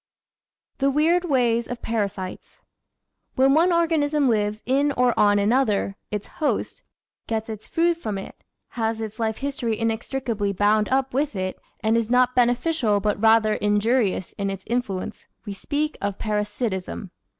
5 The Weird Ways of Parasites When one organism lives in or on another (its "host"), gets its food from it, has its life history inextricably bound up with it VOL. Ill 7 662 The Outline of Science and is not beneficial but rather injurious in its influence, we speak of parasitism.